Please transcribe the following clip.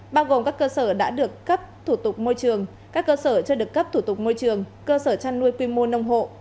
bao gồm các cơ sở đã được cấp thủ tục môi trường các cơ sở chưa được cấp thủ tục môi trường cơ sở chăn nuôi quy mô nông hộ